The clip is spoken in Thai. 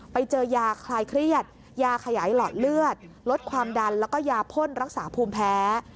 ไปเจอยาคลายเครียดยาขยายหลอดเลือดลดความดันแล้วก็ยาพ่นรักษาภูมิแพ้